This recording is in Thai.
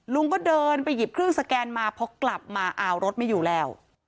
ลุงก็เดินไปหยิบเครื่องสแกนมาพอกลับมาอ้าวรถไม่อยู่แล้ว